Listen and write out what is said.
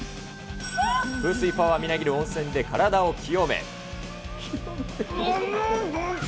風水パワーみなぎる温泉で体を清め。